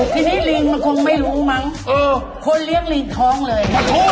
ทีนี้ลิงมันคงไม่รู้มั้งคนเลี้ยงลิงท้องเลย